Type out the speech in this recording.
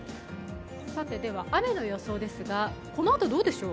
雨の予想ですが、このあとどうでしょう？